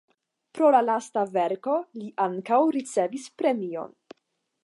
Pro la lasta verko li ankaŭ ricevis premion.